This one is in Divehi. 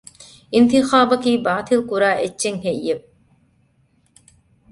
އިންތިޚާބަކީ ބާތިލްކުރާ އެއްޗެއް ހެއްޔެވެ؟